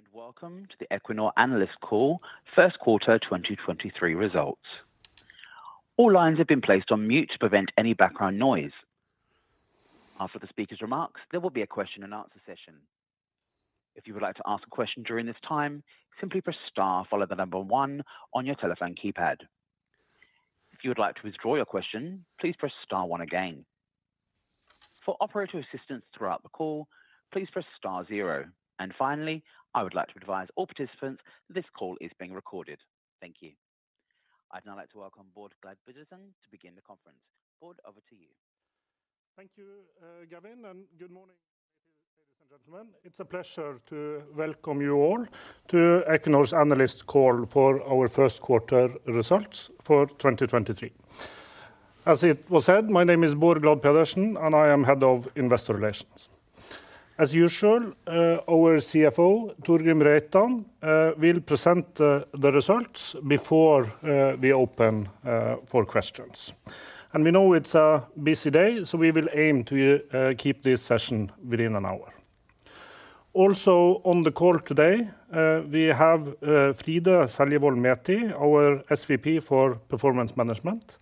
Good day, and welcome to the Equinor Analyst Call, First Quarter 2023 Results. All lines have been placed on mute to prevent any background noise. After the speaker's remarks, there will be a question and answer session. If you would like to ask a question during this time, simply press star, followed by one on your telephone keypad. If you would like to withdraw your question, please press star one again. For operator assistance throughout the call, please press star zero. Finally, I would like to advise all participants this call is being recorded. Thank you. I'd now like to welcome Bård Pedersen to begin the conference. Bård, over to you. Thank you, Gavin, good morning ladies and gentlemen. It's a pleasure to welcome you all to Equinor's Analyst Call for our First Quarter Results for 2023. As it was said, my name is Bård Glad Pedersen, I am Head of Investor Relations. As usual, our CFO, Torgrim Reitan, will present the results before we open for questions. We know it's a busy day, so we will aim to keep this session within an hour. Also on the call today, we have Svein Skeie, our SVP for Performance Management,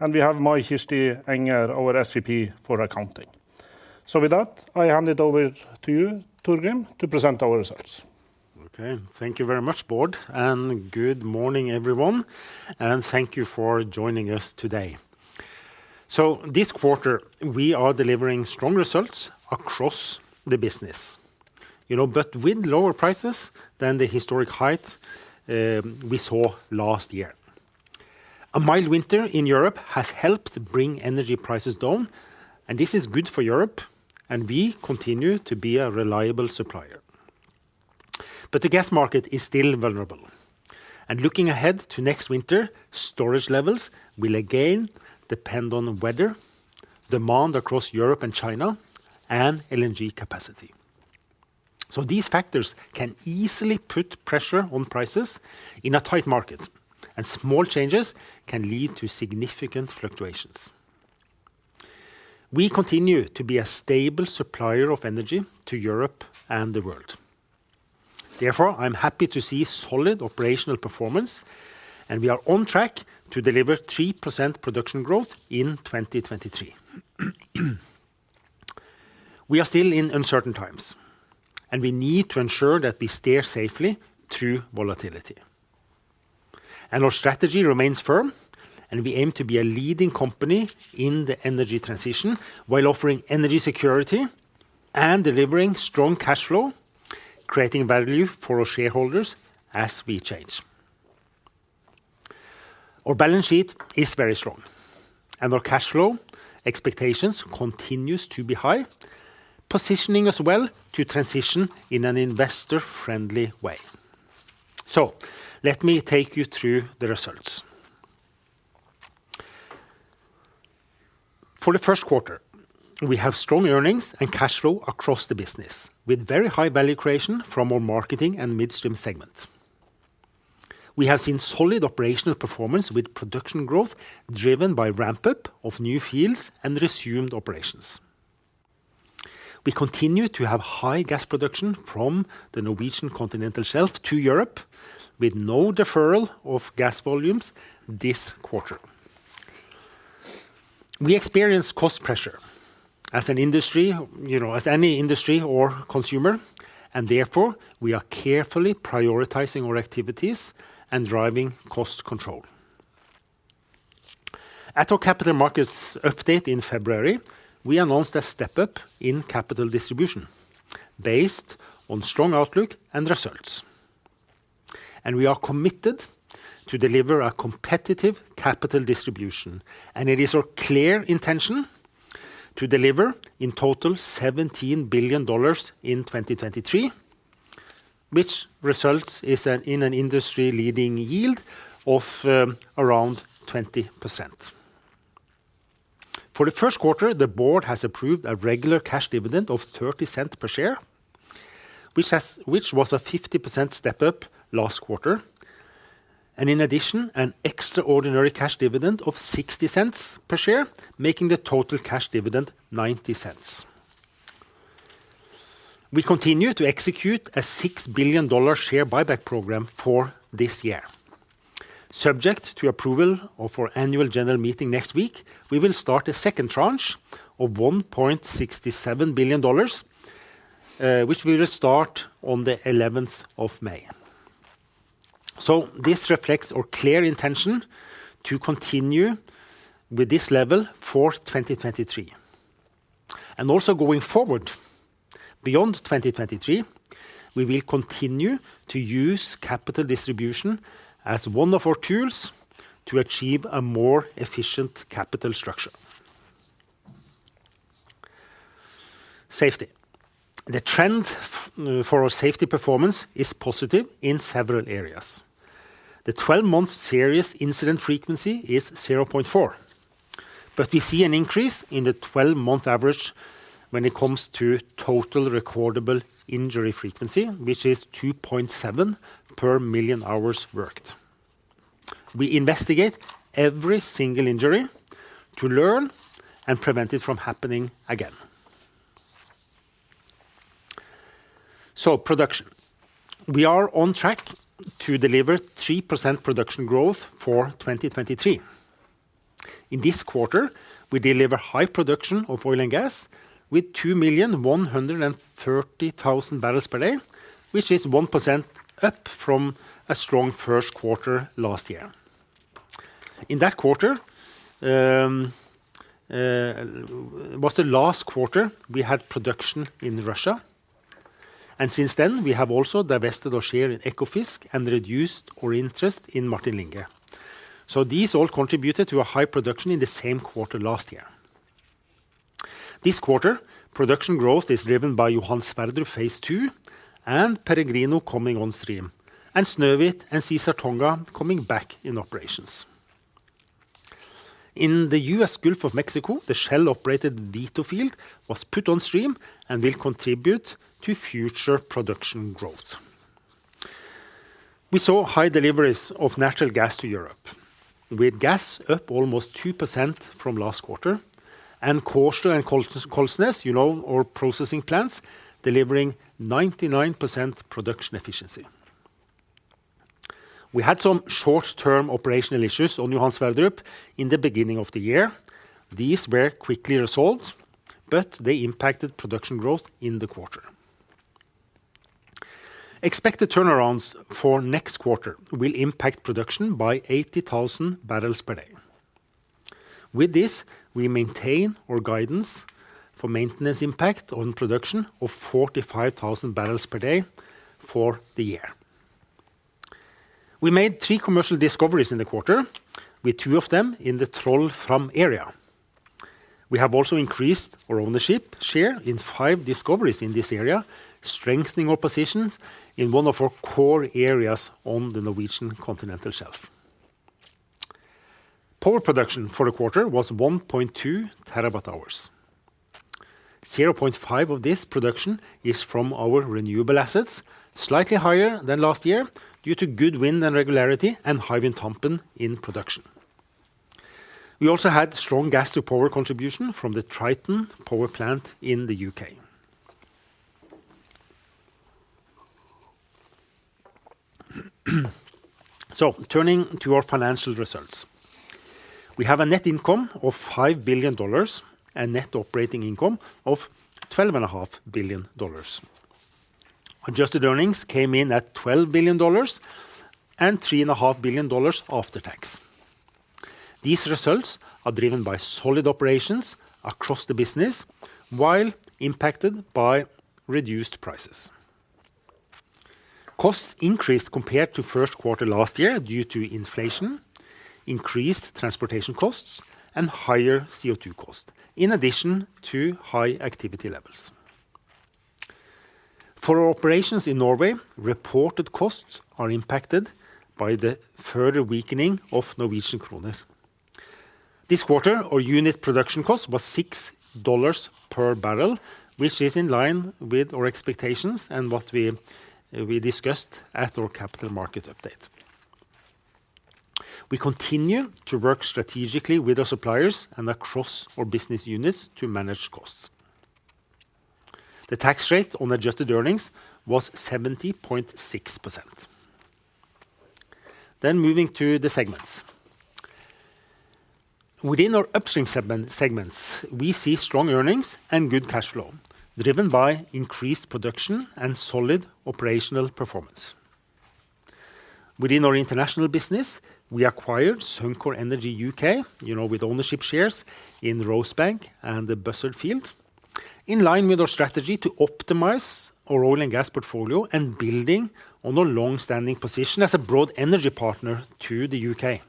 and we have Ørjan Kvelvane, our SVP for Accounting. With that, I hand it over to you, Torgrim, to present our results. Okay. Thank you very much, Bård, and good morning, everyone, and thank you for joining us today. This quarter we are delivering strong results across the business, you know, but with lower prices than the historic height we saw last year. A mild winter in Europe has helped bring energy prices down, and this is good for Europe, and we continue to be a reliable supplier. The gas market is still vulnerable. Looking ahead to next winter, storage levels will again depend on weather, demand across Europe and China, and LNG capacity. These factors can easily put pressure on prices in a tight market, and small changes can lead to significant fluctuations. We continue to be a stable supplier of energy to Europe and the world. Therefore, I'm happy to see solid operational performance, and we are on track to deliver 3% production growth in 2023. We are still in uncertain times, we need to ensure that we steer safely through volatility. Our strategy remains firm, and we aim to be a leading company in the energy transition while offering energy security and delivering strong cash flow, creating value for our shareholders as we change. Our balance sheet is very strong, and our cash flow expectations continues to be high, positioning us well to transition in an investor-friendly way. Let me take you through the results. For the first quarter, we have strong earnings and cash flow across the business with very high value creation from our marketing and midstream segment. We have seen solid operational performance with production growth driven by ramp-up of new fields and resumed operations. We continue to have high gas production from the Norwegian Continental Shelf to Europe with no deferral of gas volumes this quarter. We experience cost pressure as an industry, you know, as any industry or consumer, and therefore, we are carefully prioritizing our activities and driving cost control. At our capital markets update in February, we announced a step-up in capital distribution based on strong outlook and results, and we are committed to deliver a competitive capital distribution. It is our clear intention to deliver in total $17 billion in 2023, which results in an industry-leading yield of around 20%. For the first quarter, the board has approved a regular cash dividend of $0.30 per share, which was a 50% step-up last quarter, and in addition, an extraordinary cash dividend of $0.60 per share, making the total cash dividend $0.90. We continue to execute a $6 billion share buyback program for this year. Subject to approval of our annual general meeting next week, we will start a second tranche of $1.67 billion, which we will start on the 11th of May. This reflects our clear intention to continue with this level for 2023. Also going forward beyond 2023, we will continue to use capital distribution as one of our tools to achieve a more efficient capital structure. Safety. The trend for our safety performance is positive in several areas. The 12-month serious incident frequency is 0.4, but we see an increase in the 12-month average when it comes to total recordable injury frequency, which is 2.7 per million hours worked. We investigate every single injury to learn and prevent it from happening again. Production. We are on track to deliver 3% production growth for 2023. In this quarter, we deliver high production of oil and gas with 2,130,000 bpd, which is 1% up from a strong first quarter last year. In that quarter, was the last quarter we had production in Russia. Since then, we have also divested our share in Ekofisk and reduced our interest in Martin Linge. These all contributed to a high production in the same quarter last year. This quarter, production growth is driven by Johan Sverdrup Phase 2 and Peregrino coming on stream, and Snøhvit and Caesar Tonga coming back in operations. In the U.S. Gulf of Mexico, the Shell operated Vito field was put on stream and will contribute to future production growth. We saw high deliveries of natural gas to Europe, with gas up almost 2% from last quarter and Kårstø and Kollsnes, you know our processing plants, delivering 99% production efficiency. We had some short-term operational issues on Johan Sverdrup in the beginning of the year. These were quickly resolved, but they impacted production growth in the quarter. Expected turnarounds for next quarter will impact production by 80,000 bpd. With this, we maintain our guidance for maintenance impact on production of 45,000 bpd. We made three commercial discoveries in the quarter, with two of them in the Troll-Fram area. We have also increased our ownership share in five discoveries in this area, strengthening our positions in one of our core areas on the Norwegian Continental Shelf. Power production for the quarter was 1.2 TWh. 0.5 TWh of this production is from our renewable assets, slightly higher than last year due to good wind and regularity and Hywind Tampen in production. We also had strong gas to power contribution from the Triton power plant in the U.K. Turning to our financial results. We have a net income of $5 billion and net operating income of $12.5 billion. Adjusted earnings came in at $12 billion and $3.5 billion after tax. These results are driven by solid operations across the business while impacted by reduced prices. Costs increased compared to first quarter last year due to inflation, increased transportation costs and higher CO2 costs, in addition to high activity levels. For our operations in Norway, reported costs are impacted by the further weakening of Norwegian kroner. This quarter, our unit production cost was $6 per barrel, which is in line with our expectations and what we discussed at our capital markets update. We continue to work strategically with our suppliers and across our business units to manage costs. The tax rate on adjusted earnings was 70.6%. Moving to the segments. Within our upstream segments, we see strong earnings and good cash flow driven by increased production and solid operational performance. Within our international business, we acquired Suncor Energy UK, you know, with ownership shares in Rosebank and the Buzzard field. In line with our strategy to optimize our oil and gas portfolio and building on our long-standing position as a broad energy partner to the U.K.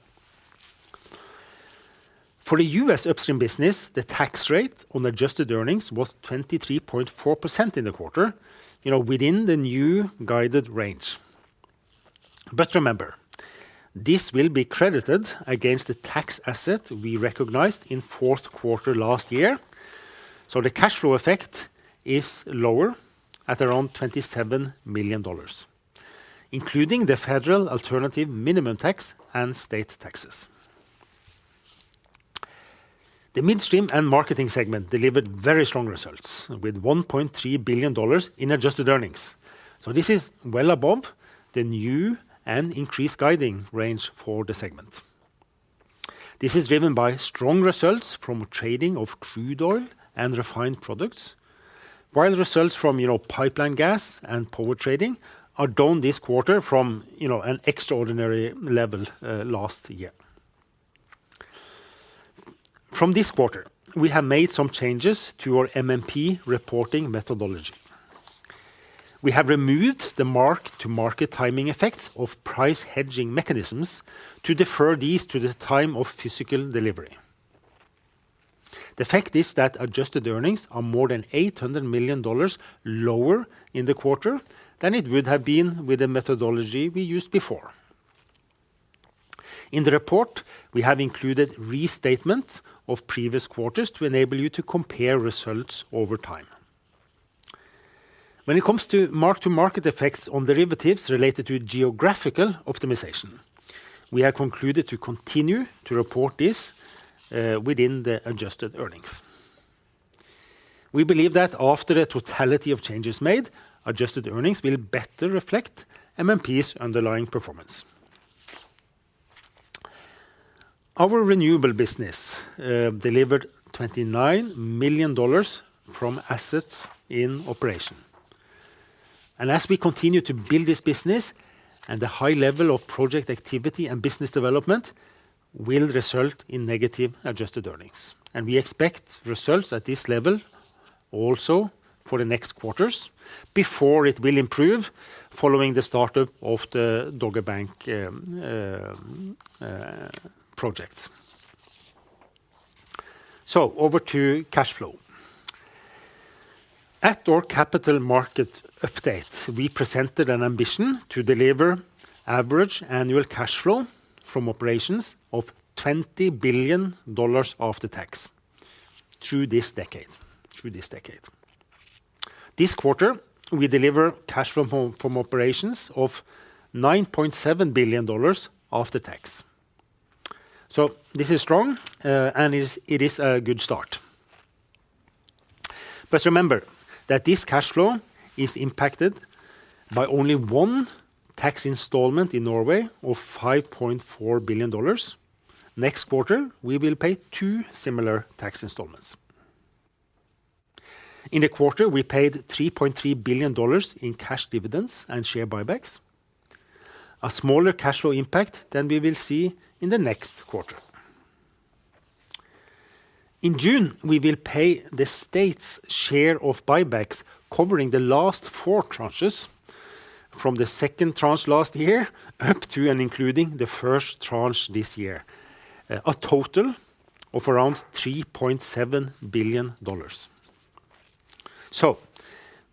For the U.S. upstream business, the tax rate on adjusted earnings was 23.4% in the quarter, you know, within the new guided range. Remember, this will be credited against the tax asset we recognized in fourth quarter last year. The cash flow effect is lower at around $27 million, including the federal alternative minimum tax and state taxes. The midstream and marketing segment delivered very strong results with $1.3 billion in adjusted earnings. This is well above the new and increased guiding range for the segment. This is driven by strong results from trading of crude oil and refined products, while results from, you know, pipeline gas and power trading are down this quarter from, you know, an extraordinary level last year. From this quarter, we have made some changes to our MMP reporting methodology. We have removed the mark-to-market timing effects of price hedging mechanisms to defer these to the time of physical delivery. The fact is that adjusted earnings are more than $800 million lower in the quarter than it would have been with the methodology we used before. In the report, we have included restatements of previous quarters to enable you to compare results over time. When it comes to mark-to-market effects on derivatives related to geographical optimization, we have concluded to continue to report this within the adjusted earnings. We believe that after the totality of changes made, adjusted earnings will better reflect MMP's underlying performance. Our renewable business delivered $29 million from assets in operation. As we continue to build this business and the high level of project activity and business development will result in negative adjusted earnings. We expect results at this level also for the next quarters before it will improve following the start of the Dogger Bank projects. Over to cash flow. At our capital markets update, we presented an ambition to deliver average annual cash flow from operations of $20 billion after tax through this decade. This quarter, we deliver cash flow from operations of $9.7 billion after tax. This is strong, and it is a good start. Remember that this cash flow is impacted by only one tax installment in Norway of $5.4 billion. Next quarter, we will pay two similar tax installments. In the quarter, we paid $3.3 billion in cash dividends and share buybacks, a smaller cash flow impact than we will see in the next quarter. In June, we will pay the state's share of buybacks covering the last four tranches from the second tranche last year up to and including the 1st tranche this year, a total of around $3.7 billion.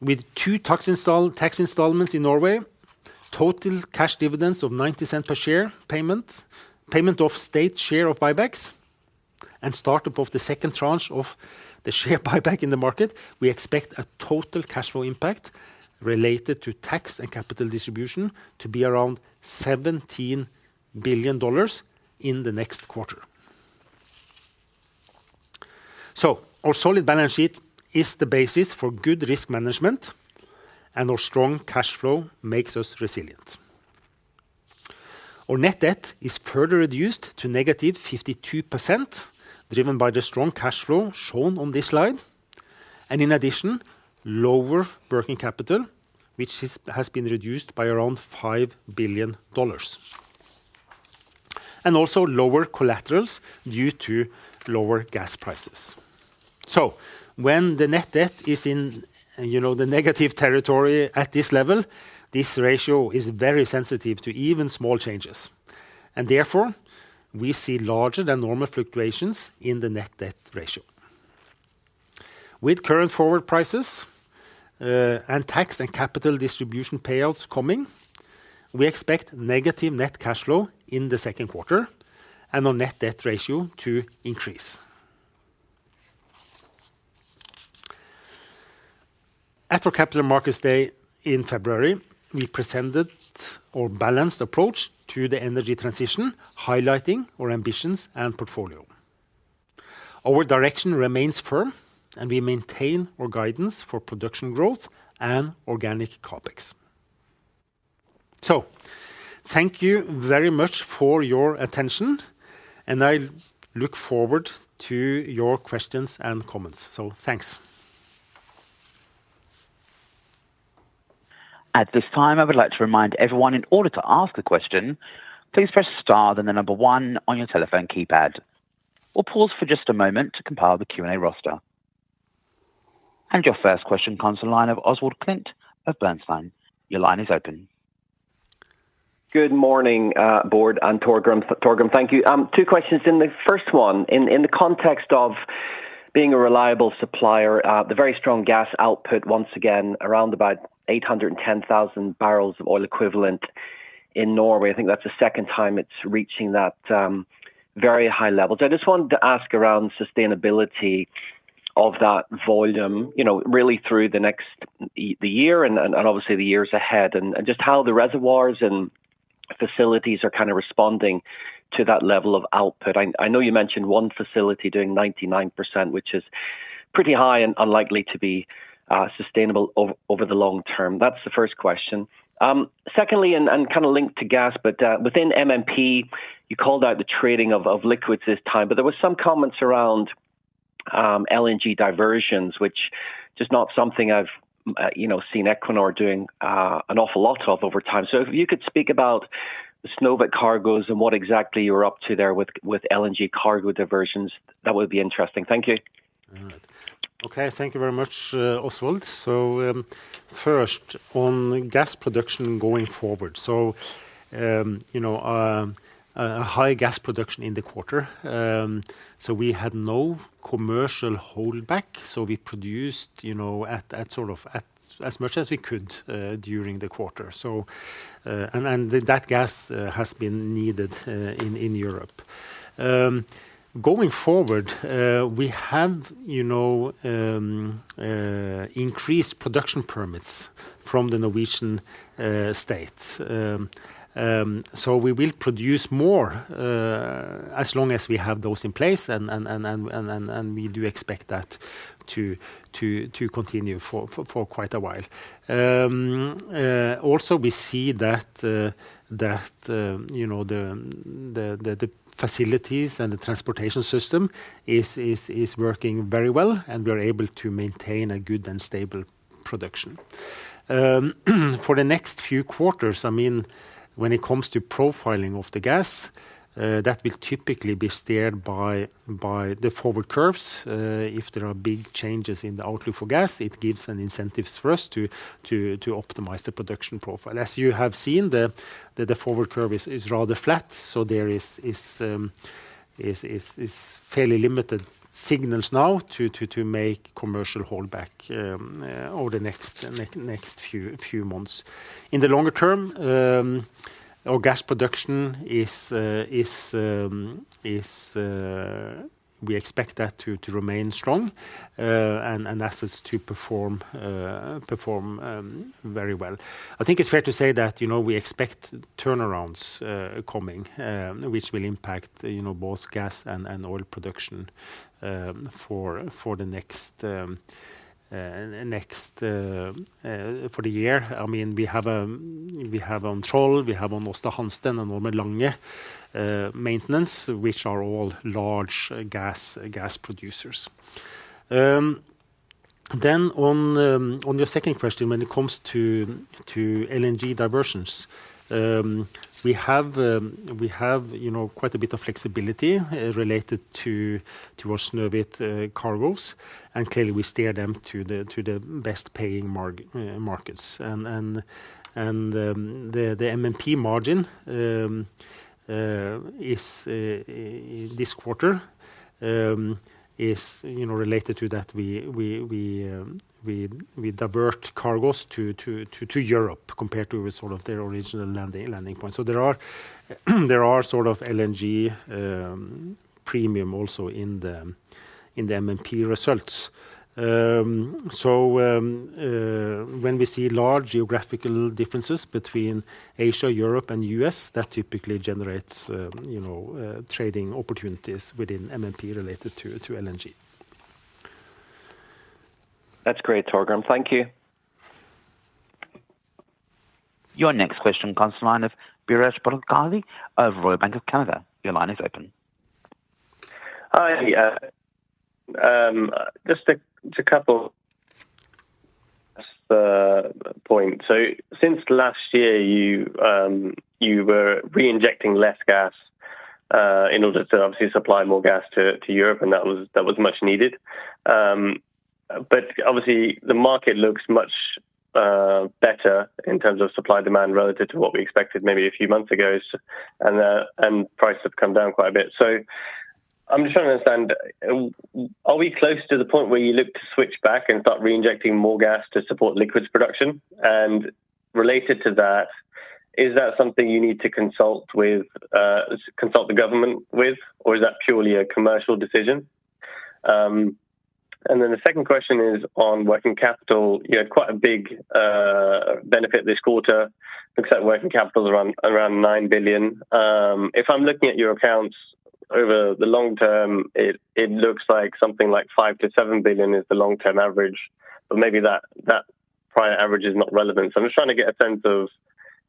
With two tax installments in Norway, total cash dividends of $0.90 per share payment of state share of buybacks, and start up of the second tranche of the share buyback in the market, we expect a total cash flow impact related to tax and capital distribution to be around $17 billion in the next quarter. Our solid balance sheet is the basis for good risk management, and our strong cash flow makes us resilient. Our net debt is further reduced to -52%, driven by the strong cash flow shown on this slide, and in addition, lower working capital, which has been reduced by around $5 billion. Also lower collaterals due to lower gas prices. When the net debt is in, you know, the negative territory at this level, this ratio is very sensitive to even small changes, and therefore, we see larger than normal fluctuations in the net debt ratio. With current forward prices, and tax and capital distribution payouts coming, we expect negative net cash flow in the second quarter and our net debt ratio to increase. At our Capital Markets Day in February, we presented our balanced approach to the energy transition, highlighting our ambitions and portfolio. Our direction remains firm, and we maintain our guidance for production growth and organic CapEx. Thank you very much for your attention, and I look forward to your questions and comments. Thanks. At this time, I would like to remind everyone in order to ask a question, please press star then the number one on your telephone keypad. We'll pause for just a moment to compile the Q&A roster. Your first question comes to the line of Oswald Clint of Bernstein. Your line is open. Good morning, board and Torgrim. Torgrim, thank you. Two questions. In the first one, in the context of being a reliable supplier, the very strong gas output once again around about 810,000 BOE in Norway. I think that's the second time it's reaching that very high level. I just wanted to ask around sustainability of that volume, you know, really through the next the year and obviously the years ahead and just how the reservoirs and facilities are kind of responding to that level of output. I know you mentioned one facility doing 99%, which is pretty high and unlikely to be sustainable over the long term. That's the first question. Secondly and kind of linked to gas, but within MMP, you called out the trading of liquids this time, but there was some comments around LNG diversions, which just not something I've, you know, seen Equinor doing an awful lot of over time. If you could speak about the Snøhvit cargos and what exactly you're up to there with LNG cargo diversions, that would be interesting. Thank you. Okay, thank you very much, Oswald. First on gas production going forward. You know, a high gas production in the quarter, we had no commercial hold back, so we produced, you know, at sort of, at as much as we could during the quarter. And that gas has been needed in Europe. Going forward, we have, you know, increased production permits from the Norwegian state. We will produce more as long as we have those in place and we do expect that to continue for quite a while. Also we see that, you know, the facilities and the transportation system is working very well and we're able to maintain a good and stable production. For the next few quarters, I mean, when it comes to profiling of the gas, that will typically be steered by the forward curves. If there are big changes in the outlook for gas, it gives an incentives for us to optimize the production profile. As you have seen, the forward curve is rather flat, so there is fairly limited signals now to make commercial hold back over the next few months. In the longer term, our gas production is. We expect that to remain strong, and assets to perform very well. I think it's fair to say that, you know, we expect turnarounds coming, which will impact, you know, both gas and oil production for the next for the year. I mean, we have on Troll, we have on Aasta Hansteen, and Ormen Lange maintenance, which are all large gas producers. On your second question when it comes to LNG diversions, we have, you know, quite a bit of flexibility related to our Snøhvit cargos, and clearly we steer them to the best-paying markets. The MMP margin this quarter is, you know, related to that we divert cargos to Europe compared to sort of their original landing point. There are sort of LNG premium also in the MMP results. When we see large geographical differences between Asia, Europe, and U.S., that typically generates, you know, trading opportunities within MMP related to LNG. That's great, Torgrim. Thank you. Your next question comes to line of Biraj Borkhataria of Royal Bank of Canada. Your line is open. Hi. Just a couple point. Since last year, you were reinjecting less gas in order to obviously supply more gas to Europe, and that was much needed. Obviously the market looks much better in terms of supply, demand relative to what we expected maybe a few months ago, and price have come down quite a bit. I'm just trying to understand, are we close to the point where you look to switch back and start reinjecting more gas to support liquids production? Related to that, is that something you need to consult with—consult the government with, or is that purely a commercial decision? The second question is on working capital. You know, quite a big benefit this quarter. Looks like working capital is around $9 billion. If I'm looking at your accounts over the long term, it looks like something like $5 billion-$7 billion is the long-term average, but maybe that prior average is not relevant. I'm just trying to get a sense of,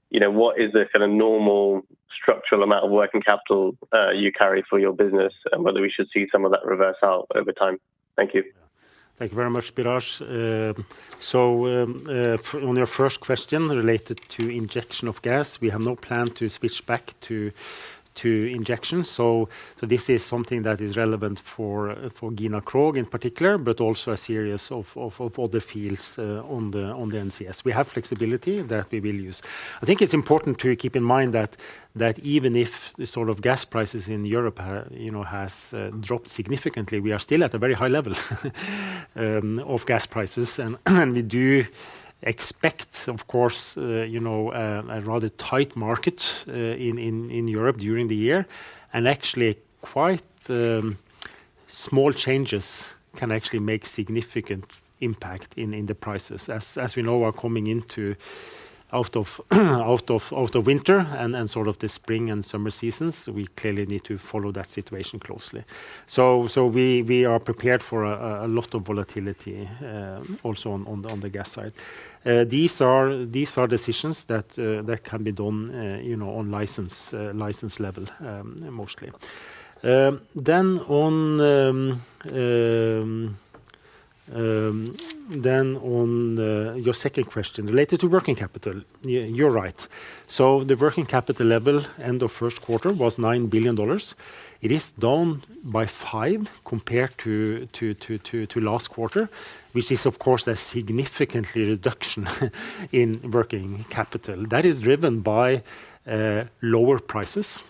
you know, what is the kind of normal structural amount of working capital you carry for your business and whether we should see some of that reverse out over time. Thank you. Thank you very much, Biraj. On your first question related to injection of gas, we have no plan to switch back to injection. This is something that is relevant for Gina Krog in particular, but also a series of other fields on the NCS. We have flexibility that we will use. I think it's important to keep in mind that even if the sort of gas prices in Europe, you know, has dropped significantly, we are still at a very high level of gas prices. We do expect, of course, you know, a rather tight market in Europe during the year. Actually quite small changes can actually make significant impact in the prices. As we know, we're coming into out of winter and then sort of the spring and summer seasons, we clearly need to follow that situation closely. We are prepared for a lot of volatility, also on the gas side. These are decisions that can be done, you know, on license level, mostly. Then on your second question related to working capital. You're right. The working capital level end of first quarter was $9 billion. It is down by $5 billion compared to last quarter, which is of course a significantly reduction in working capital. That is driven by lower prices.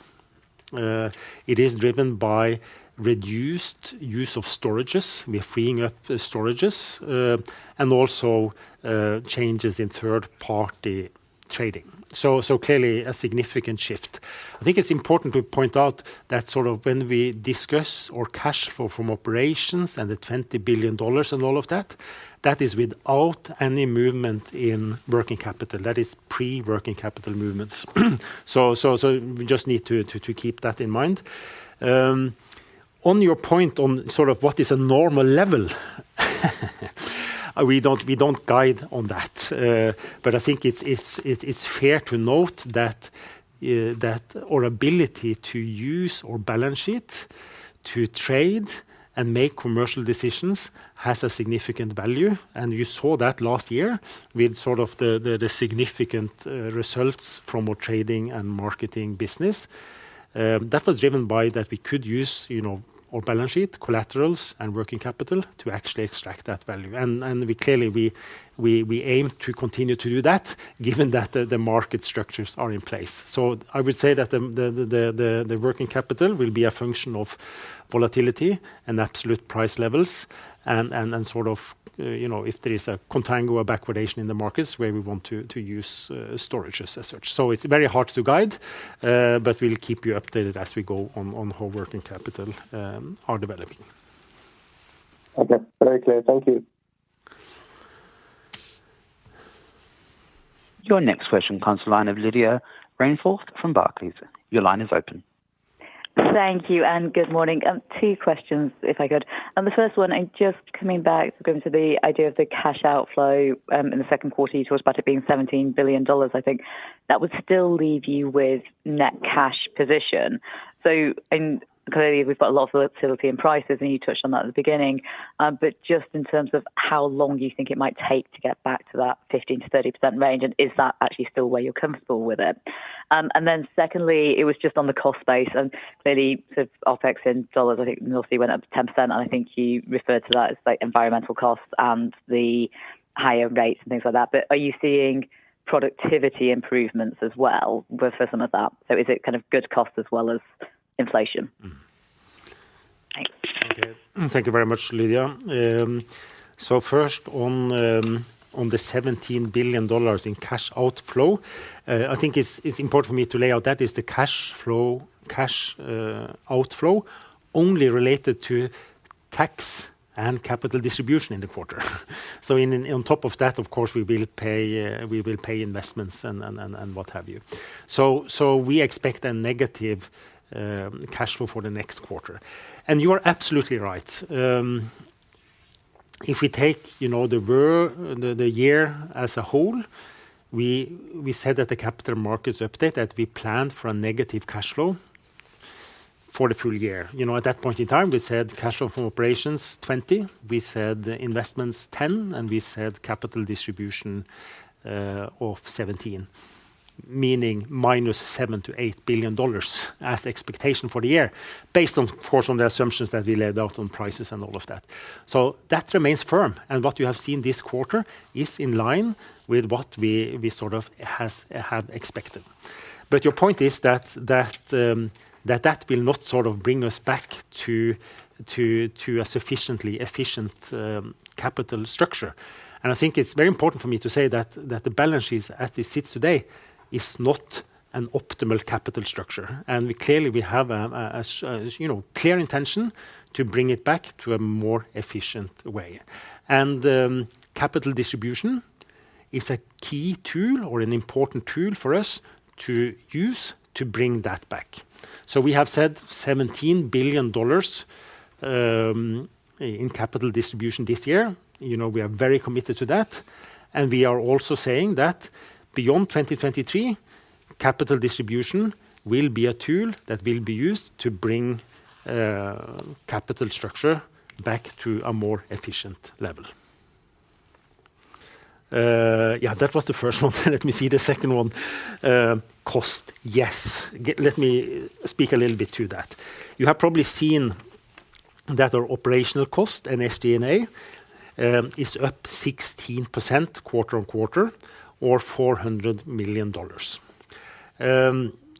It is driven by reduced use of storages. We're freeing up the storages, and also changes in third-party trading. Clearly a significant shift. I think it's important to point out that sort of when we discuss our cash flow from operations and the $20 billion and all of that is without any movement in working capital. That is pre-working capital movements. We just need to keep that in mind. On your point on sort of what is a normal level, we don't guide on that. I think it's fair to note that our ability to use our balance sheet to trade and make commercial decisions has a significant value, and you saw that last year with sort of the significant results from our trading and marketing business. That was driven by that we could use, you know, our balance sheet collaterals and working capital to actually extract that value. We clearly we aim to continue to do that given that the market structures are in place. I would say that the working capital will be a function of volatility and absolute price levels and sort of, you know, if there is a contango or backwardation in the markets where we want to use storages as such. It's very hard to guide, but we'll keep you updated as we go on how working capital are developing. Okay. Very clear. Thank you. Your next question comes the line of Lydia Rainforth from Barclays. Your line is open. Thank you, good morning. Two questions if I could. The first one, just coming back, going to the idea of the cash outflow in the second quarter. You talked about it being $17 billion, I think. That would still leave you with net cash position. Clearly, we've got a lot of volatility in prices, and you touched on that at the beginning. Just in terms of how long do you think it might take to get back to that 15%-30% range, and is that actually still where you're comfortable with it? Then secondly, it was just on the cost base, and clearly sort of OpEx in dollars I think mostly went up 10%, and I think you referred to that as like environmental costs and the higher rates and things like that. Are you seeing productivity improvements as well with, for some of that? Is it kind of good cost as well as inflation? Thanks. Okay. Thank you very much, Lydia. First on the $17 billion in cash outflow, I think it's important for me to lay out that is the cash outflow only related to tax and capital distribution in the quarter. On top of that, of course, we will pay investments and what have you. We expect a negative cash flow for the next quarter. You are absolutely right. If we take, you know, the year as a whole, we said at the capital markets update that we planned for a negative cash flow for the full year. You know, at that point in time, we said cash flow from operations 20, we said investments 10, and we said capital distribution of 17, meaning minus $7 billion-$8 billion as expectation for the year based on, of course, on the assumptions that we laid out on prices and all of that. That remains firm, and what you have seen this quarter is in line with what we sort of had expected. Your point is that will not sort of bring us back to a sufficiently efficient capital structure, and I think it's very important for me to say that the balance sheet as it sits today is not an optimal capital structure. We clearly have a, you know, clear intention to bring it back to a more efficient way. Capital distribution is a key tool or an important tool for us to use to bring that back. We have said $17 billion in capital distribution this year. You know, we are very committed to that, and we are also saying that beyond 2023, capital distribution will be a tool that will be used to bring capital structure back to a more efficient level. Yeah, that was the first one. Let me see the second one. Cost. Yes. Let me speak a little bit to that. You have probably seen that our operational cost and SG&A is up 16% quarter-on-quarter or $400 million.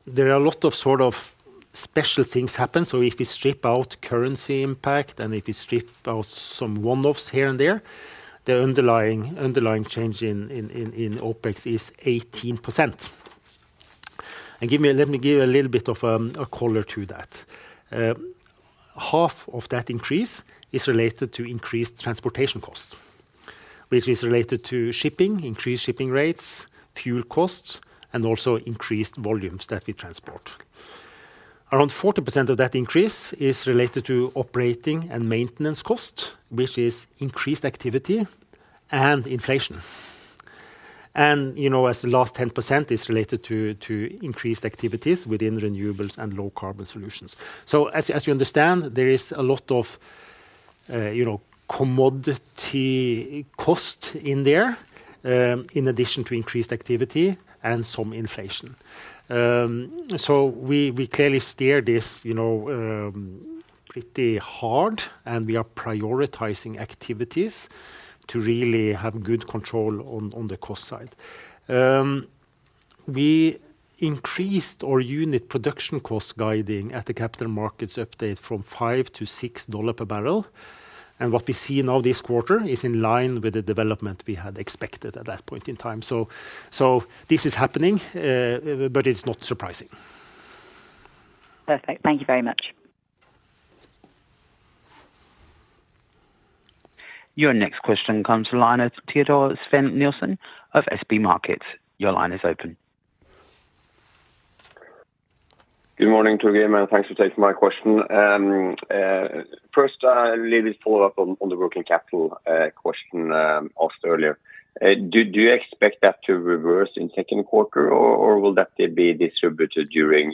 There are a lot of sort of special things happen. If we strip out currency impact, and if we strip out some one-offs here and there, the underlying change in OpEx is 18%. Let me give a little bit of color to that. Half of that increase is related to increased transportation costs, which is related to shipping, increased shipping rates, fuel costs, and also increased volumes that we transport. Around 40% of that increase is related to operating and maintenance costs, which is increased activity and inflation. You know, as the last 10% is related to increased activities within renewables and low-carbon solutions. As you understand, there is a lot of, you know, commodity cost in there, in addition to increased activity and some inflation. We clearly steer this, you know, pretty hard, and we are prioritizing activities to really have good control on the cost side. We increased our unit production cost guiding at the capital markets update from $5-$6 per barrel. What we see now this quarter is in line with the development we had expected at that point in time. This is happening, but it's not surprising. Perfect. Thank you very much. Your next question comes from line of Teodor Sveen-Nilsen of SB1 Markets. Your line is open. Good morning, Torgrim, and thanks for taking my question. First, let me follow up on the working capital question asked earlier. Do you expect that to reverse in second quarter or will that be distributed during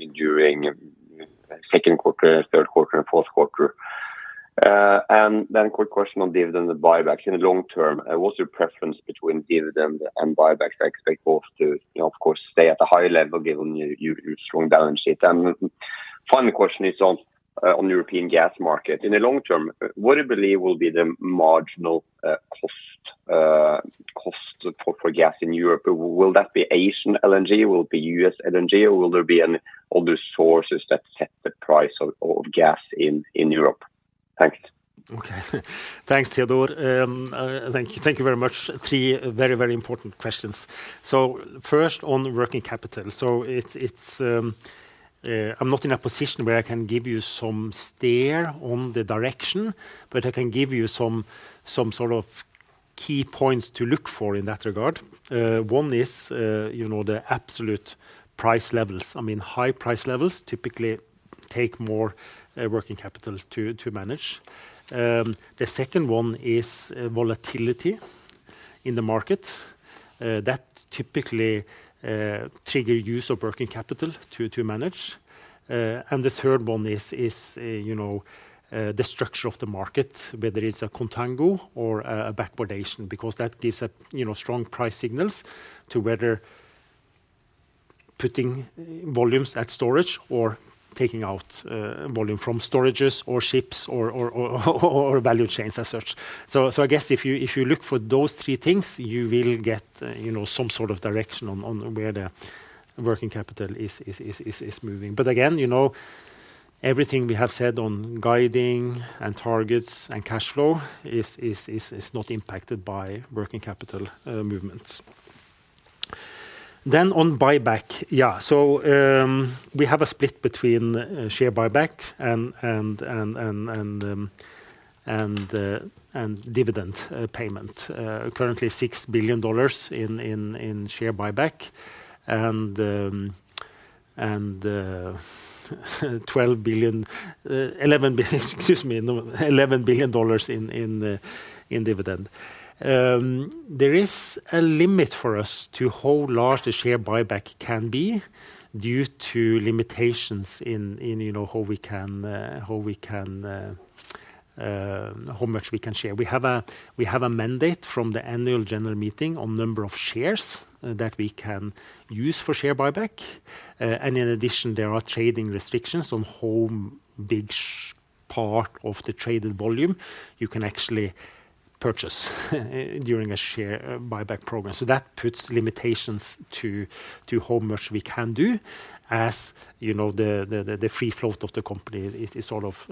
second quarter, third quarter, and fourth quarter? Then quick question on dividend buyback. In the long term, what's your preference between dividend and buyback? I expect both to, you know, of course, stay at a high level given your strong balance sheet. Final question is on European gas market. In the long term, what do you believe will be the marginal cost for gas in Europe? Will that be Asian LNG, will it be U.S. LNG or will there be any other sources that set the price of gas in Europe? Thanks. Okay. Thanks, Theodore. Thank you very much. Three very, very important questions. First on working capital. I'm not in a position where I can give you some steer on the direction, but I can give you some sort of key points to look for in that regard. One is, you know, the absolute price levels. I mean high price levels typically take more working capital to manage. The second one is volatility in the market, that typically trigger use of working capital to manage. And the third one is, you know, the structure of the market, whether it's a contango or a backwardation, because that gives a, you know, strong price signals to whether putting volumes at storage or taking out volume from storages or ships or value chains as such. I guess if you, if you look for those three things you will get, you know, some sort of direction on where the working capital is moving. Again, you know, everything we have said on guiding and targets and cash flow is not impacted by working capital movements. On buyback. We have a split between share buybacks and dividend payment. Currently $6 billion in share buyback, and $12 billion, $11 billion—excuse me, $11 billion in dividend. There is a limit for us to how large the share buyback can be due to limitations in, you know, how we can, how much we can share. We have a mandate from the annual general meeting on number of shares that we can use for share buyback. In addition, there are trading restrictions on how big part of the traded volume you can actually purchase during a share buyback program. That puts limitations to how much we can do as you know, the free float of the company is sort of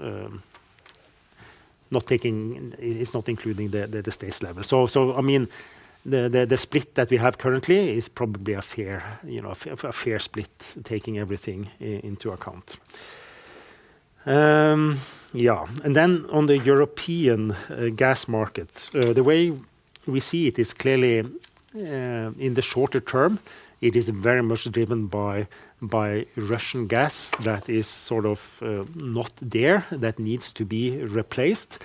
not taking, is not including the states level. I mean, the split that we have currently is probably a fair, you know, a fair split, taking everything into account. Yeah. On the European gas market, the way we see it is clearly in the shorter term, it is very much driven by Russian gas that is sort of not there that needs to be replaced.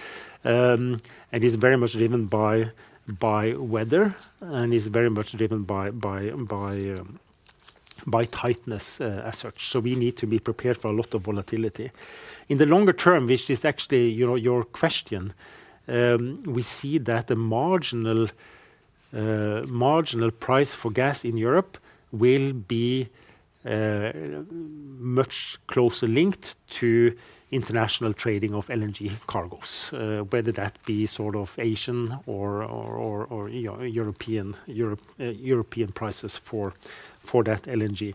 Is very much driven by weather and is very much driven by tightness as such. We need to be prepared for a lot of volatility. In the longer term, which is actually, you know, your question, we see that the marginal marginal price for gas in Europe will be much closer linked to international trading of LNG cargos, whether that be sort of Asian or, you know, European prices for that LNG.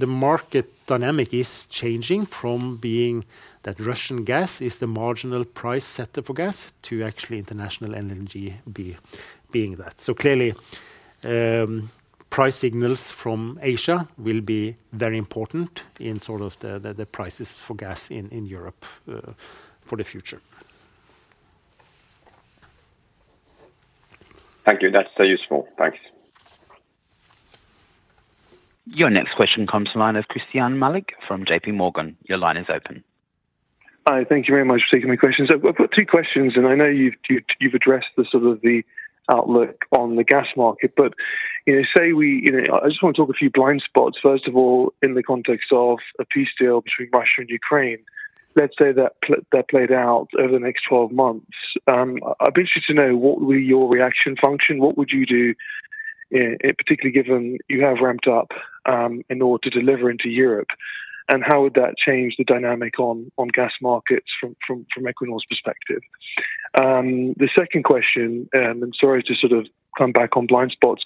The market dynamic is changing from being that Russian gas is the marginal price setter for gas to actually international LNG being that. Clearly, price signals from Asia will be very important in sort of the prices for gas in Europe for the future. Thank you. That's useful. Thanks. Your next question comes to line of Christyan Malek from JPMorgan. Your line is open. Hi. Thank you very much for taking my questions. I've got two questions. I know you've addressed the sort of the outlook on the gas market. You know, I just wanna talk a few blind spots. First of all, in the context of a peace deal between Russia and Ukraine, let's say that played out over the next 12 months, I'd be interested to know what will your reaction function, what would you do in particularly given you have ramped up, in order to deliver into Europe? How would that change the dynamic on gas markets from Equinor's perspective? The second question, I'm sorry to sort of come back on blind spots,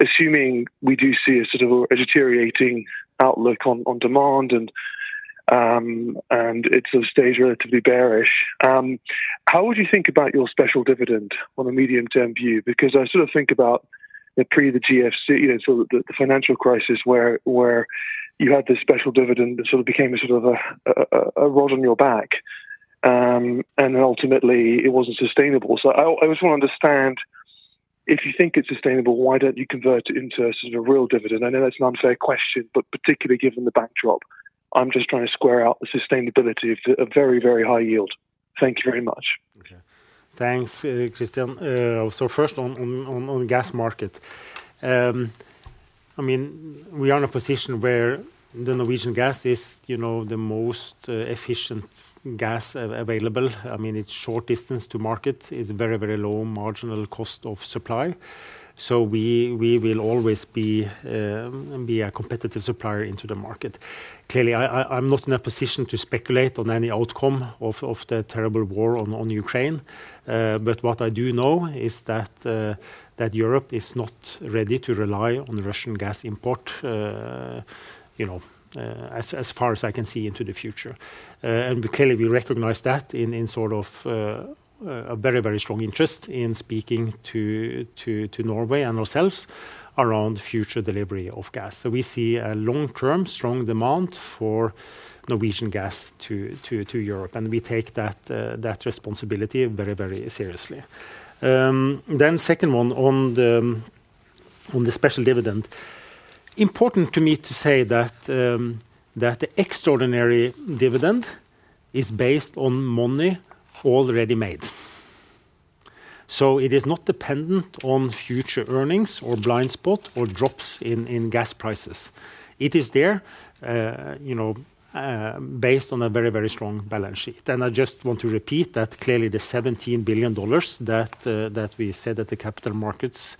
assuming we do see a sort of a deteriorating outlook on demand and it sort of stays relatively bearish, how would you think about your special dividend on a medium-term view? I sort of think about the pre the GFC, you know, sort of the financial crisis where you had this special dividend that sort of became a sort of a rod on your back, and then ultimately it wasn't sustainable. I just want to understand, if you think it's sustainable, why don't you convert it into a sort of real dividend? I know that's an unfair question, particularly given the backdrop, I'm just trying to square out the sustainability of a very high yield. Thank you very much. Okay. Thanks, Christyan. First on gas market. I mean, we are in a position where the Norwegian gas is, you know, the most efficient gas available. I mean, it's short distance to market, is very low marginal cost of supply. We will always be a competitive supplier into the market. Clearly, I'm not in a position to speculate on any outcome of the terrible war on Ukraine. What I do know is that Europe is not ready to rely on Russian gas import, you know, as far as I can see into the future. Clearly we recognize that in sort of a very strong interest in speaking to Norway and ourselves around future delivery of gas. We see a long-term strong demand for Norwegian gas to Europe, and we take that responsibility very, very seriously. Second one on the special dividend. Important to me to say that the extraordinary dividend is based on money already made. It is not dependent on future earnings or blind spot or drops in gas prices. It is there, you know, based on a very, very strong balance sheet. I just want to repeat that clearly the $17 billion that we said at the capital markets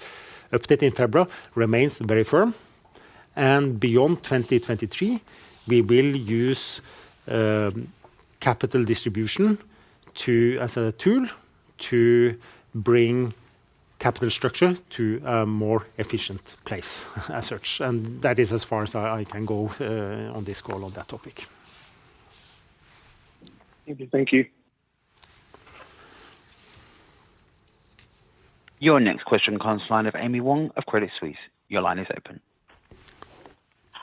update in February remains very firm. Beyond 2023, we will use capital distribution as a tool to bring capital structure to a more efficient place as such. That is as far as I can go on this call on that topic. Thank you. Thank you. Your next question comes to the line of Amy Wong of Credit Suisse. Your line is open.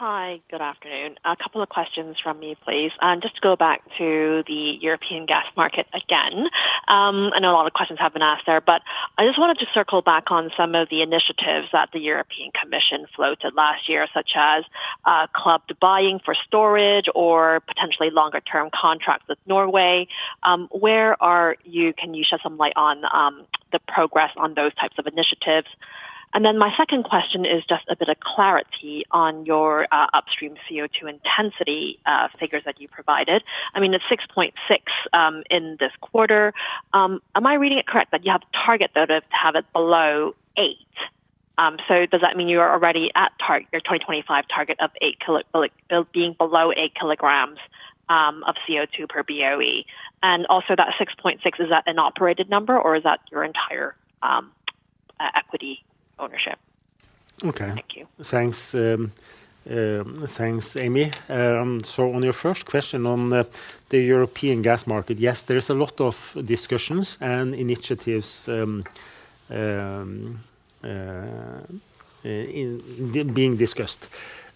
Hi. Good afternoon. A couple of questions from me, please. Just to go back to the European gas market again, I know a lot of questions have been asked there, but I just wanted to circle back on some of the initiatives that the European Commission floated last year, such as clubbed buying for storage or potentially longer term contracts with Norway. Where are you? Can you shed some light on the progress on those types of initiatives? My second question is just a bit of clarity on your upstream CO2 intensity figures that you provided. I mean, it's 6.6 in this quarter. Am I reading it correct that you have a target, though, to have it below eight? Does that mean you are already at target, your 2025 target of eight of being below eight kilograms, of CO2 per BOE? Also that 6.6, is that an operated number or is that your entire, equity ownership? Okay. Thank you. Thanks, thanks, Amy. On your first question on the European gas market, yes, there is a lot of discussions and initiatives being discussed.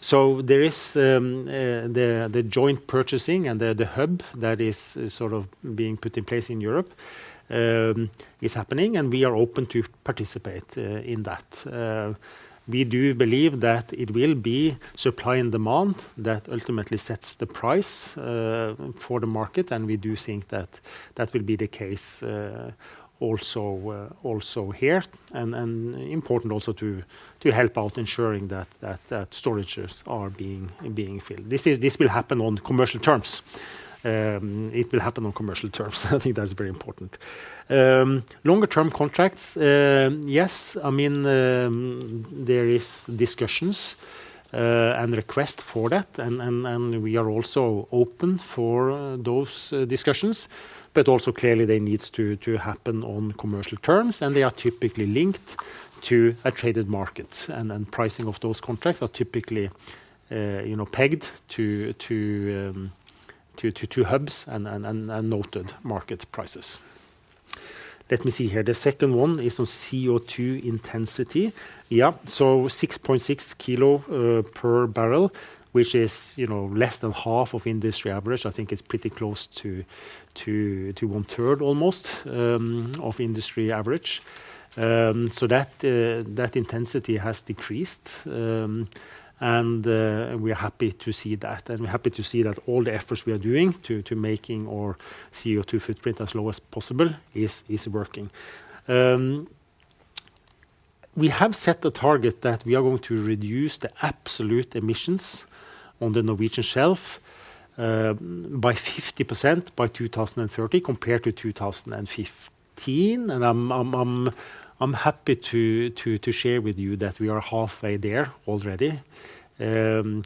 There is the joint purchasing and the hub that is sort of being put in place in Europe is happening, and we are open to participate in that. We do believe that it will be supply and demand that ultimately sets the price for the market, and we do think that that will be the case also here. Important also to help out ensuring that storages are being filled. This will happen on commercial terms. It will happen on commercial terms. I think that's very important. Longer term contracts, yes. I mean, there is discussions and request for that and we are also open for those discussions, but also clearly they needs to happen on commercial terms, and they are typically linked to a traded market. Pricing of those contracts are typically, you know, pegged to hubs and noted market prices. Let me see here. The second one is on CO2 intensity. Yeah. 6.6 kilo per barrel, which is, you know, less than half of industry average. I think it's pretty close to 1/3 almost of industry average. That intensity has decreased. We are happy to see that, and we're happy to see that all the efforts we are doing to making our CO2 footprint as low as possible is working. We have set the target that we are going to reduce the absolute emissions on the Norwegian shelf by 50% by 2030 compared to 2015. I'm happy to share with you that we are halfway there already. That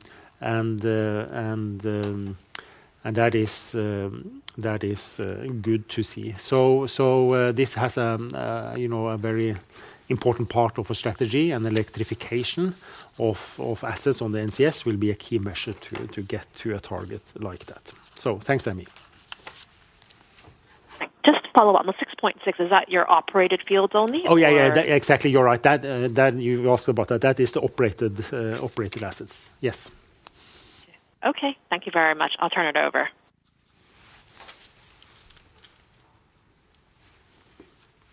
is good to see. This has, you know, a very important part of our strategy and electrification of assets on the NCS will be a key measure to get to a target like that. Thanks, Amy. Just to follow up on the 6.6, is that your operated fields only or? Oh, yeah. Yeah. Exactly. You're right. That you ask about that. That is the operated assets. Yes. Okay. Thank you very much. I'll turn it over.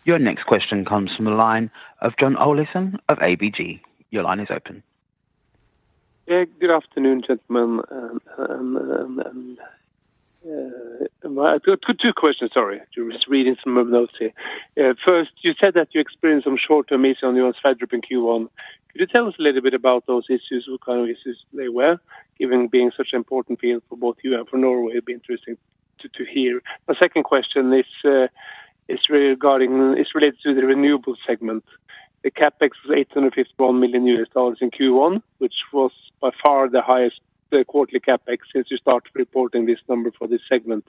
Your next question comes from the line of Jon Olaisen of ABG. Your line is open. Yeah. Good afternoon, gentlemen. Two questions. Sorry. Just reading some of notes here. First, you said that you experienced some short-term issues on the Johan Sverdrup in Q1. Could you tell us a little bit about those issues? What kind of issues they were? Given being such an important field for both you and for Norway, it'd be interesting to hear. The second question is related to the renewable segment. The CapEx is $851 million in Q1, which was by far the highest, the quarterly CapEx since you started reporting this number for this segment.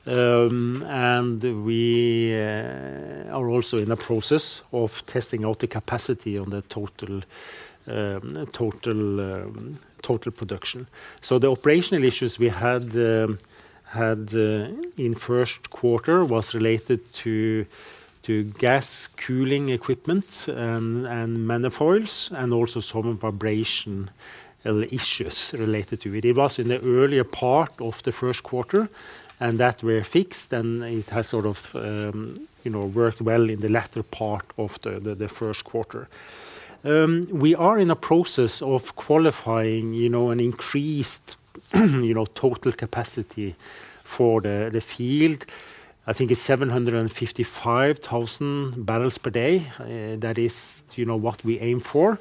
I wonder what the CapEx was related to and that increase was related to and what we should expect for the coming quarters, please. Two questions, please. Thank you very much, John. Two very important questions. First, on Johan Sverdrup. Phase 2 of Johan Sverdrup has been started up. We are also in the process of testing out the capacity on the total production. The operational issues we had in first quarter was related to gas cooling equipment and manifolds and also some vibration issues related to it. It was in the earlier part of the first quarter, and that were fixed, and it has sort of, you know, worked well in the latter part of the first quarter. We are in a process of qualifying, you know, an increased, you know, total capacity for the field. I think it's 755,000 bpd. That is, you know, what we aim for.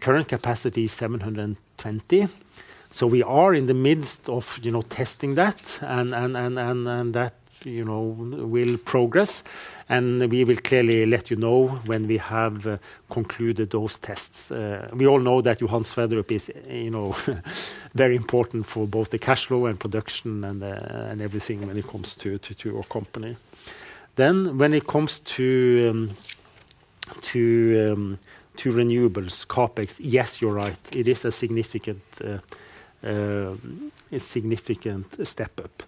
Current capacity is 720,000 bpd. We are in the midst of, you know, testing that and that, you know, will progress. We will clearly let you know when we have concluded those tests. We all know that Johan Sverdrup is, you know, very important for both the cash flow and production and everything when it comes to our company. When it comes to renewables CapEx. Yes, you're right, it is a significant step-up.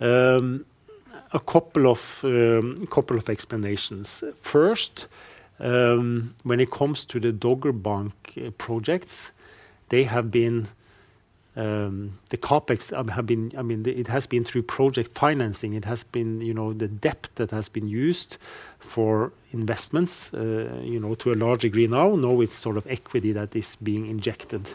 A couple of explanations. First, when it comes to the Dogger Bank projects, they have been the CapEx, I mean, it has been through project financing. It has been, you know, the debt that has been used for investments, you know, to a large degree now. Now it's sort of equity that is being injected,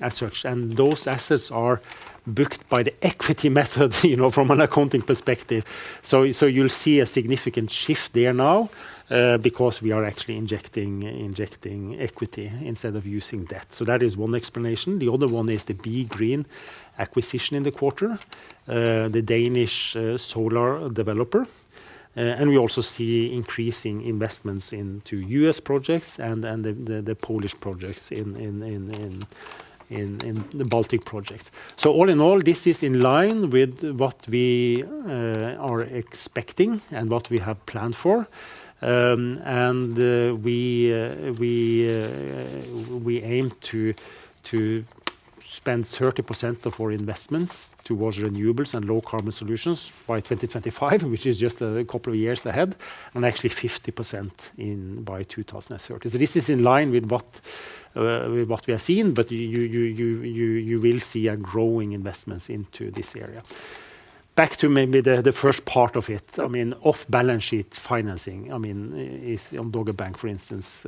as such. Those assets are booked by the equity method, you know, from an accounting perspective. You'll see a significant shift there now, because we are actually injecting equity instead of using debt. That is one explanation. The other one is the Be Green acquisition in the quarter, the Danish solar developer. We also see increasing investments into U.S. projects and the Polish projects in the Baltic projects. All in all, this is in line with what we are expecting and what we have planned for. We aim to spend 30% of our investments towards renewables and low-carbon solutions by 2025, which is just a couple of years ahead. Actually 50% in by 2030. This is in line with what we are seeing. You will see a growing investments into this area. Back to maybe the first part of it, I mean, off balance sheet financing, I mean, is on Dogger Bank, for instance,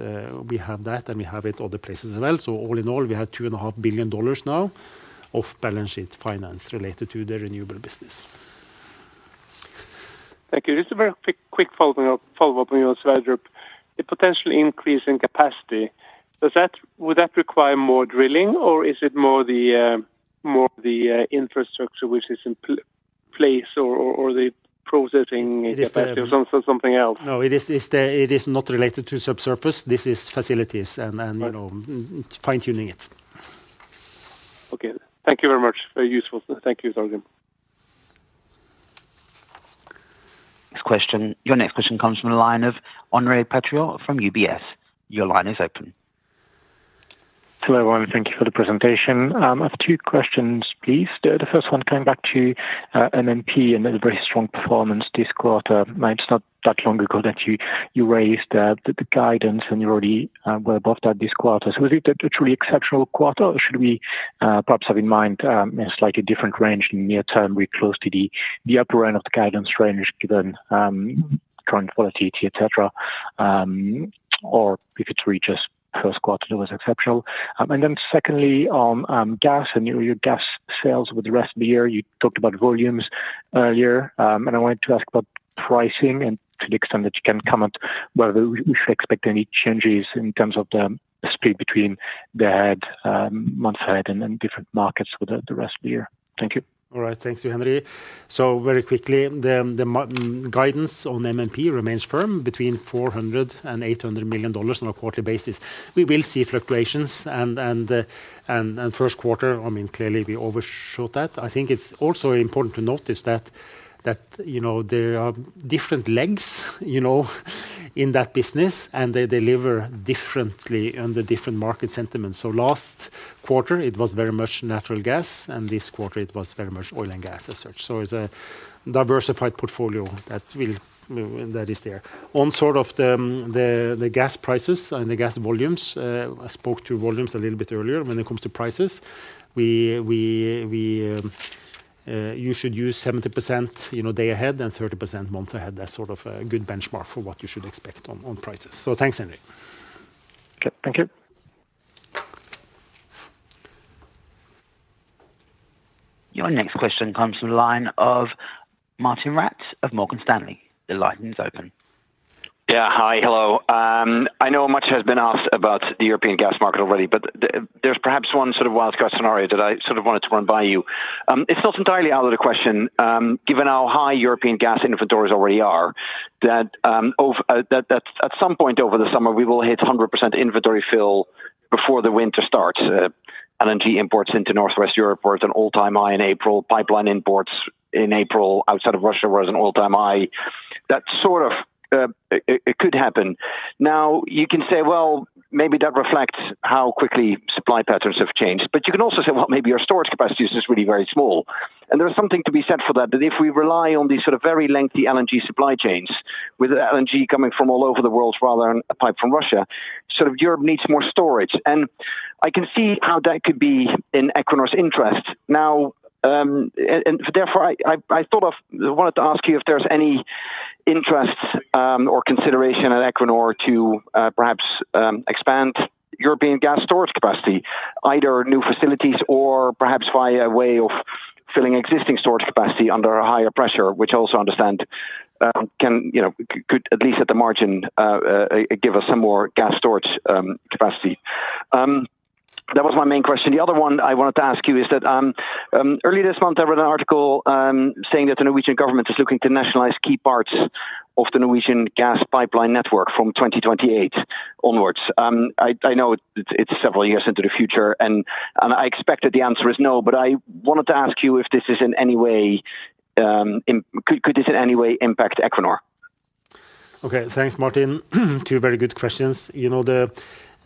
we have that and we have it other places as well. All in all, we have $2.5 billion now off balance sheet finance related to the renewable business. Thank you. Just a very quick follow-up on Johan Sverdrup. The potential increase in capacity, would that require more drilling, or is it more the infrastructure which is in place or the processing capacity or something else? No, it is, it's it is not related to subsurface. This is facilities and, you know, fine-tuning it. Okay. Thank you very much. Very useful. Thank you, Torgrim. Next question. Your next question comes from the line of Henri Patricot from UBS. Your line is open. Hello, everyone. Thank you for the presentation. I have two questions, please. The first one coming back to MMP and the very strong performance this quarter. Now, it's not that long ago that you raised the guidance and you already were above that this quarter. Is it a truly exceptional quarter or should we perhaps have in mind a slightly different range in the near term very close to the upper end of the guidance range given current volatility, et cetera? Or if it's really just first quarter that was exceptional. Secondly on gas and your gas sales with the rest of the year. You talked about volumes earlier. I wanted to ask about pricing and to the extent that you can comment whether we should expect any changes in terms of the split between the head, month ahead and then different markets for the rest of the year. Thank you. All right. Thanks, Henri. Very quickly, the guidance on MMP remains firm between $400 million-$800 million on a quarterly basis. We will see fluctuations and first quarter, I mean, clearly we overshot that. I think it's also important to notice that, you know, there are different lengths, you know, in that business, and they deliver differently on the different market sentiments. Last quarter it was very much natural gas, and this quarter it was very much oil and gas as such. It's a diversified portfolio that will well, that is there. On sort of the gas prices and the gas volumes, I spoke to volumes a little bit earlier. When it comes to prices, we you should use 70%, you know, day ahead and 30% month ahead as sort of a good benchmark for what you should expect on prices. Thanks, Henri. Okay. Thank you. Your next question comes from the line of Martijn Rats of Morgan Stanley. Your line is open. Yeah. Hi. Hello. I know much has been asked about the European gas market already, there's perhaps one sort of wild card scenario that I sort of wanted to run by you. It's not entirely out of the question, given how high European gas inventories already are that at some point over the summer, we will hit 100% inventory fill before the winter starts. LNG imports into Northwest Europe was an all-time high in April. Pipeline imports in April outside of Russia was an all-time high. That sort of, it could happen. You can say, well, maybe that reflects how quickly supply patterns have changed. You can also say, well, maybe our storage capacity is just really very small. There's something to be said for that if we rely on these sort of very lengthy LNG supply chains with LNG coming from all over the world rather than a pipe from Russia, sort of Europe needs more storage. I can see how that could be in Equinor's interest. Now, and therefore, I wanted to ask you if there's any interest or consideration at Equinor to perhaps expand European gas storage capacity, either new facilities or perhaps via way of filling existing storage capacity under a higher pressure, which I also understand, can, you know, could at least at the margin, give us some more gas storage capacity. That was my main question. The other one I wanted to ask you is that, earlier this month, I read an article, saying that the Norwegian government is looking to nationalize key parts of the Norwegian gas pipeline network from 2028 onwards. I know it's several years into the future, and I expect that the answer is no, but I wanted to ask you if this is in any way, Could this in any way impact Equinor? Okay. Thanks, Martijn. Two very good questions.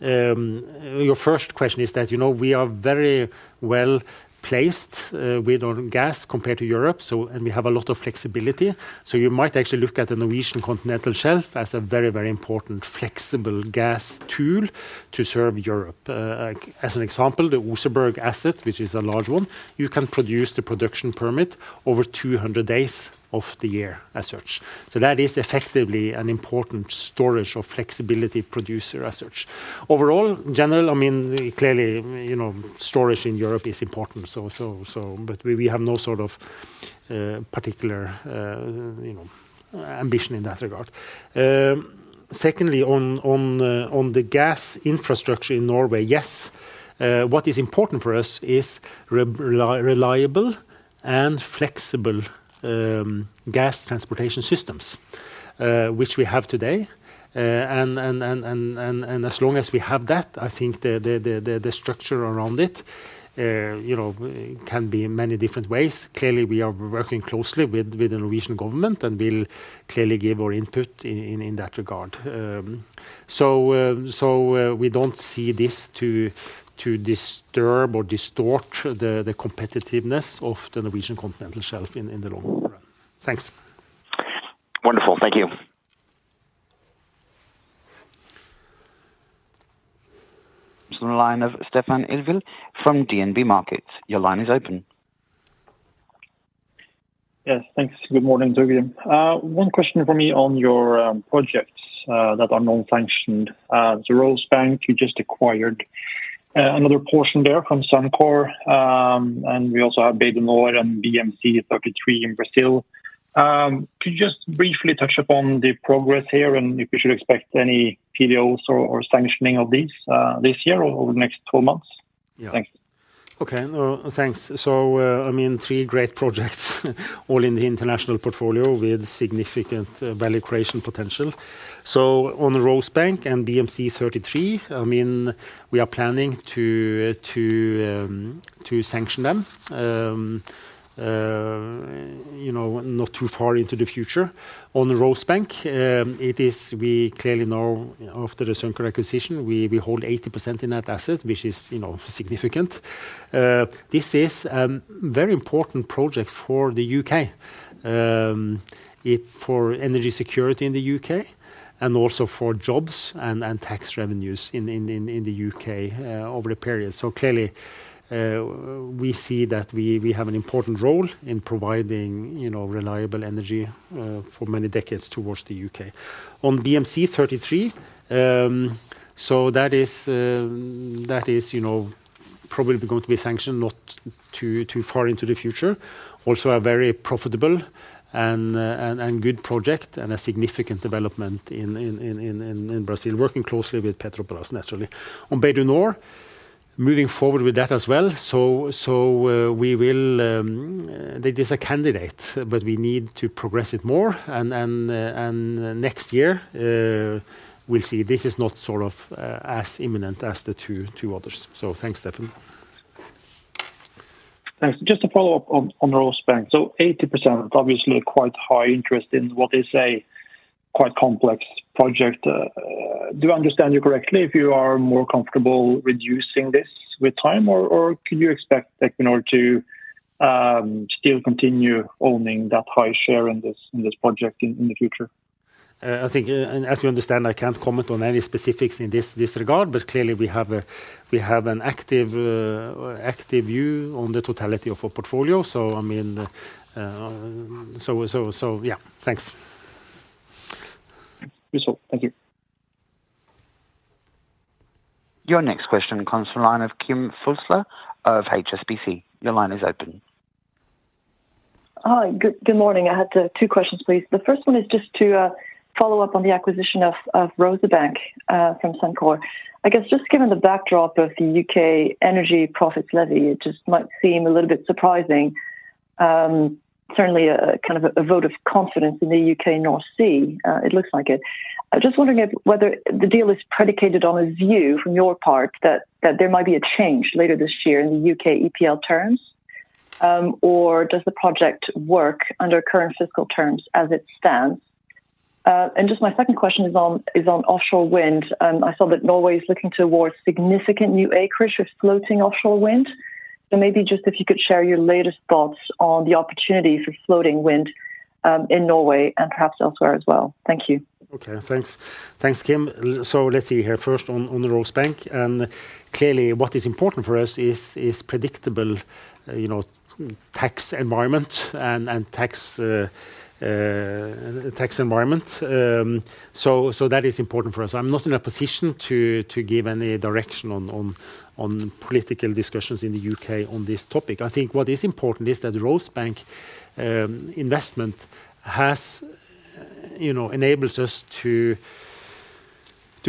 You know, the, your first question is that, you know, we are very well-placed, with our gas compared to Europe, and we have a lot of flexibility. You might actually look at the Norwegian Continental Shelf as a very, very important flexible gas tool to serve Europe. Like as an example, the Oseberg asset, which is a large one, you can produce the production permit over 200 days of the year as such. That is effectively an important storage or flexibility producer as such. Overall, in general, I mean, clearly, you know, storage in Europe is important, so we have no sort of particular, you know, ambition in that regard. Secondly on the gas infrastructure in Norway, yes, what is important for us is reliable and flexible, gas transportation systems, which we have today. As long as we have that, I think the structure around it, you know, can be in many different ways. Clearly, we are working closely with the Norwegian government, and we'll clearly give our input in that regard. We don't see this to disturb or distort the competitiveness of the Norwegian Continental Shelf in the long run. Thanks. Wonderful. Thank you. From the line of Steffen Evjen from DNB Markets, your line is open. Yes, thanks. Good morning, Torgrim. One question for me on your projects that are non-sanctioned. The Rosebank you just acquired another portion there from Suncor. We also have Bacalhau and BM-C-33 in Brazil. Could you just briefly touch upon the progress here and if we should expect any PDOs or sanctioning of these this year or over the next 12 months? Yeah. Thanks. Okay. Thanks. I mean, three great projects all in the international portfolio with significant value creation potential. On the Rosebank and BM-C-33, I mean, we are planning to sanction them, you know, not too far into the future. On the Rosebank, we clearly know after the Suncor acquisition we hold 80% in that asset, which is, you know, significant. This is a very important project for the U.K., for energy security in the U.K. and also for jobs and tax revenues in the U.K. over the period. Clearly, we see that we have an important role in providing, you know, reliable energy for many decades towards the U.K.. On BM-C-33, that is, you know, probably going to be sanctioned not too far into the future. Also a very profitable and good project and a significant development in Brazil, working closely with Petrobras naturally. On Bay du Nord, moving forward with that as well. We will, that is a candidate, but we need to progress it more and next year, we'll see. This is not sort of as imminent as the two others. Thanks, Steffen. Thanks. Just to follow up on Rosebank. 80% obviously quite high interest in what is a quite complex project. Do I understand you correctly if you are more comfortable reducing this with time or can you expect Equinor to still continue owning that high share in this, in this project in the future? I think, as you understand, I can't comment on any specifics in this regard. Clearly we have an active view on the totality of our portfolio. I mean, so yeah. Thanks. Sure. Thank you. Your next question comes from line of Kim Fustier of HSBC. Your line is open. Hi. Good morning. I had two questions, please. The first one is just to follow up on the acquisition of Rosebank from Suncor. I guess just given the backdrop of the U.K. Energy Profits Levy, it just might seem a little bit surprising, certainly a kind of a vote of confidence in the U.K. North Sea, it looks like it. I'm just wondering if whether the deal is predicated on a view from your part that there might be a change later this year in the U.K. EPL terms, or does the project work under current fiscal terms as it stands? Just my second question is on offshore wind. I saw that Norway is looking towards significant new acreage with floating offshore wind. Maybe just if you could share your latest thoughts on the opportunity for floating wind, in Norway and perhaps elsewhere as well? Thank you. Okay. Thanks, Kim. So let's see here first on the Rosebank. Clearly what is important for us is predictable, you know, tax environment and tax environment. So that is important for us. I'm not in a position to give any direction on political discussions in the U.K. on this topic. I think what is important is that Rosebank investment has, you know, enables us to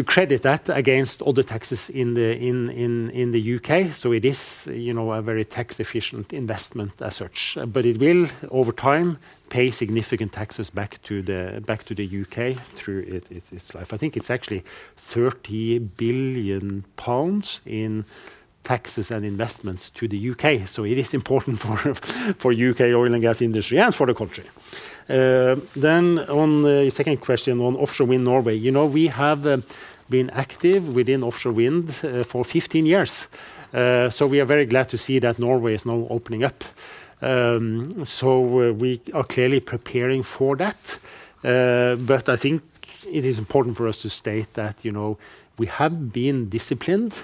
credit that against all the taxes in the U.K. It is, you know, a very tax efficient investment as such. It will over time pay significant taxes back to the U.K. through its life. I think it's actually 30 billion pounds in taxes and investments to the U.K. It is important for U.K. oil and gas industry and for the country. On the second question on offshore wind Norway. You know, we have been active within offshore wind for 15 years. We are very glad to see that Norway is now opening up. We are clearly preparing for that. I think it is important for us to state that, you know, we have been disciplined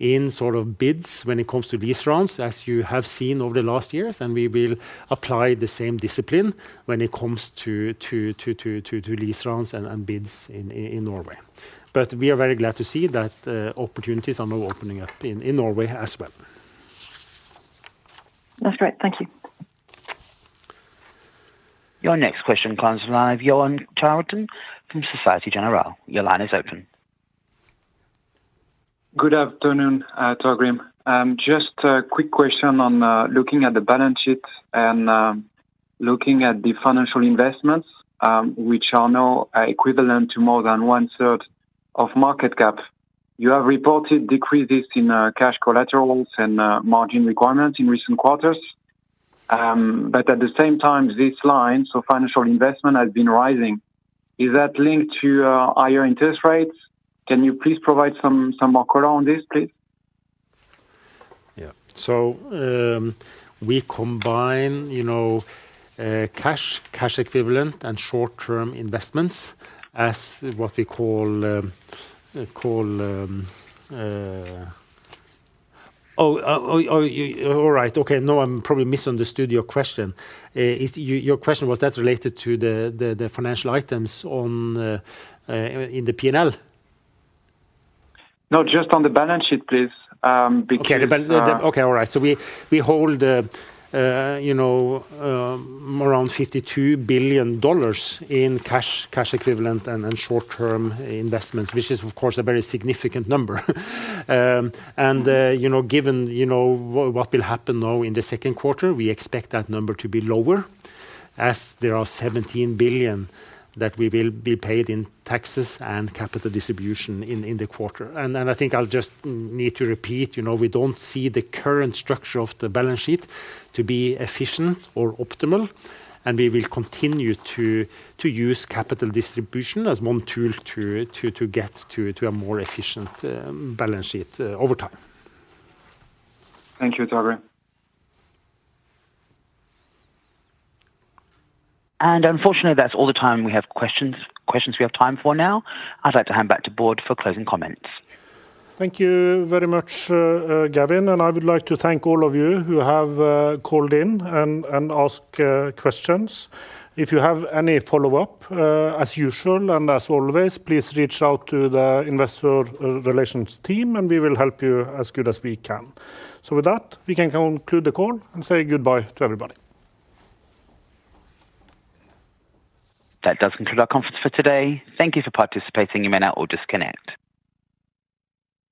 in sort of bids when it comes to lease rounds as you have seen over the last years, and we will apply the same discipline when it comes to lease rounds and bids in Norway. We are very glad to see that opportunities are now opening up in Norway as well. That's great. Thank you. Your next question comes from line of Yoann Charenton from Société Générale. Your line is open. Good afternoon, Torgrim. Just a quick question on looking at the balance sheet and looking at the financial investments, which are now equivalent to more than 1/3 of market cap. You have reported decreases in cash collaterals and margin requirements in recent quarters. At the same time, this line, so financial investment, has been rising. Is that linked to higher interest rates? Can you please provide some more color on this, please? Yeah. We combine, you know, cash equivalent, and short-term investments as what we call. All right. Okay, no, I'm probably misunderstood your question. Is your question, was that related to the financial items on in the P&L? No, just on the balance sheet, please, because. Okay. Okay. All right. So we hold, you know, around $52 billion in cash equivalent and short-term investments, which is of course a very significant number. You know, given, you know, what will happen now in the second quarter, we expect that number to be lower as there are $17 billion that we will be paid in taxes and capital distribution in the quarter. I think I'll just need to repeat, you know, we don't see the current structure of the balance sheet to be efficient or optimal, and we will continue to use capital distribution as one tool to get to a more efficient balance sheet over time. Thank you, Torgrim. Unfortunately, that's all the time we have questions we have time for now. I'd like to hand back to Bård for closing comments. Thank you very much, Gavin, and I would like to thank all of you who have called in and asked questions. If you have any follow-up, as usual and as always, please reach out to the investor relations team, and we will help you as good as we can. With that, we can conclude the call and say goodbye to everybody. That does conclude our conference for today. Thank you for participating. You may now all disconnect.